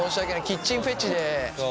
キッチンフェチで。